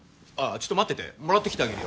ちょっと待っててもらってきてあげるよ